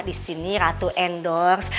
disini ratu endorse